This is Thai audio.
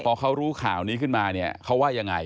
พอเขารู้ข่าวนี้ขึ้นมาเนี่ยเขาว่ายังไง